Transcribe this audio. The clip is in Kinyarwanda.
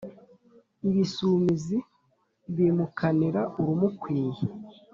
Ibisumizi bimukanira urumukwiye.